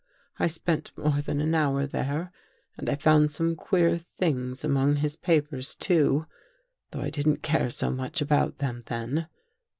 I spent more than an hour there and I found some queer things among his papers, too, though I didn't care so much about them then.